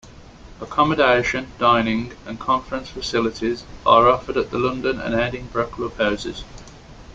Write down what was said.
Accommodation, dining and conference facilities are offered at the London and Edinburgh clubhouses.